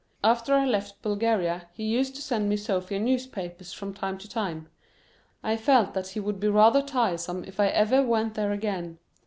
After I left Bulgaria he used to send me Sofia newspapers from time to time. I felt that he would be rather tiresome if I ever went there again.